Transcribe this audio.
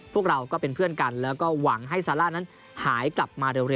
พวกเราก็เป็นเพื่อนกันแล้วก็หวังให้ซาร่านั้นหายกลับมาเร็ว